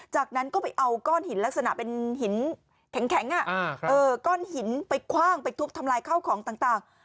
จากนั้นก็ไปเอาก้อนหินลักษณะเป็นหินแข็งก้อนหินไปคว่างไปทุบทำลายข้าวของต่าง